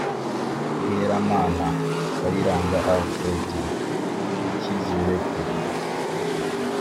Bweramana Kayiranga Alfred rw icyizere ku biro